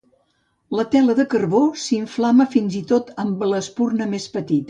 La tela de carbó s'inflama fins i tot amb l'espurna més petita.